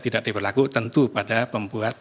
tidak diberlaku tentu pada pembuat